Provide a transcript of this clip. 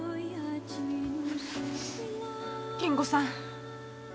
金吾さん。